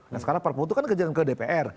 nah sekarang perpu itu kan kerjaan ke dpr